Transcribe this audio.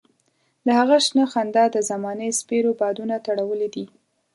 د هغه شنه خندا د زمانې سپېرو بادونو تروړلې وه.